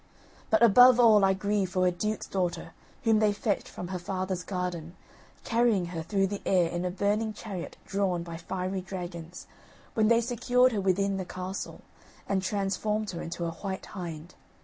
But above all, I grieve for a duke's daughter, whom they fetched from her father's garden, carrying her through the air in a burning chariot drawn by fiery dragons, when they secured her within the castle, and transformed her into a white hind.